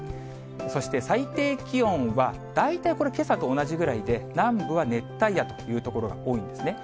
そして最低気温は、大体これ、けさと同じくらいで、南部は熱帯夜という所が多いんですね。